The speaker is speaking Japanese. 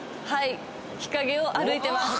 日陰を歩いてます。